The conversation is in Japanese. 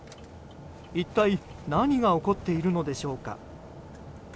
一体何が起こっているのでしょうか。